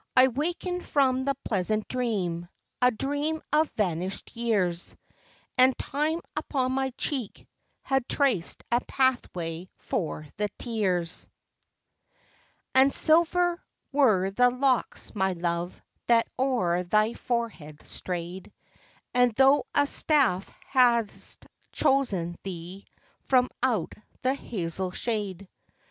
# I wakened from the pleasant dream — a dream of vanished years! And time upon my cheek had traced a pathway for the tears, A BIRTHDAY WALK. 203 And silver were the locks, my love, that o'er thy fore¬ head strayed, And thou a staff hadst chosen thee, from out the hazel shade.